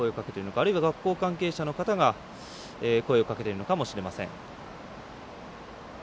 あるいは学校関係者の方が声をかけているのかもしれません。